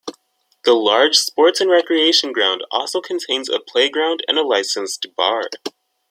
The large Sports and Recreation ground also contains a playground and a licensed bar.